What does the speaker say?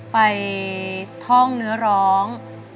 ท่องเนื้อร้อง